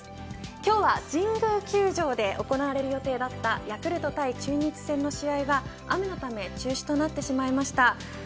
今日は神宮球場で行われる予定だったヤクルト対中日戦の試合は雨で中止となってしまいました。